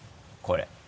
これ。